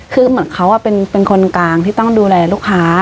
คือเหมือนเขาเป็นคนกลางที่ต้องดูแลลูกค้า